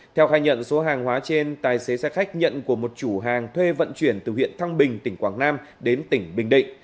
theo khai nhận số hàng hóa trên tài xế xe khách nhận của một chủ hàng thuê vận chuyển từ huyện thăng bình tỉnh quảng nam đến tỉnh bình định